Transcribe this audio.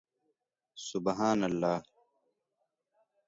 سبحان الله